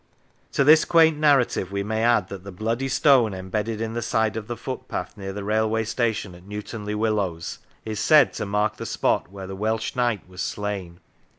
To this quaint narrative we may add that the " Bloody Stone," embedded in the side of the footpath near the railway station at Newt on le Willows, is said to mark the spot 105 o Lancashire where the Welsh knight was slain.